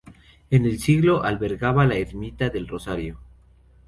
En el siglo albergaba la ermita del Rosario.